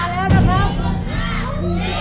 รุกรุก